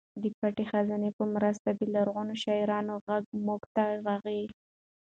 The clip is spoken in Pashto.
د پټې خزانې په مرسته د لرغونو شاعرانو غږ موږ ته راغلی.